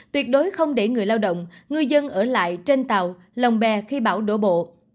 tuyệt đối không để người lao động ngư dân ở lại trên tàu lòng bè khi bão đổ bộ